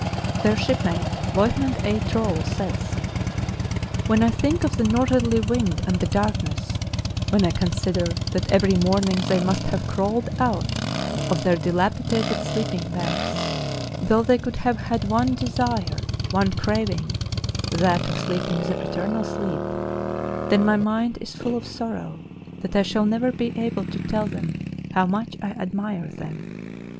Their shipmate. Lieutenant A. Trolle says: "When I think of the northerly wind and the darkness, when I consider that every morning they must have crawled out of their dilapidated sleeping bags, though they could have had one desire, one crav ing — that of sleeping the eternal sleep — then my mind is full of sorrow that I shall never be able to tell them how much I admire them.